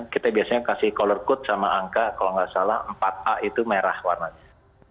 kita biasanya kasih color code sama angka kalau nggak salah empat a itu merah warnanya